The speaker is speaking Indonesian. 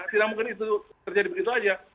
tidak mungkin itu terjadi begitu saja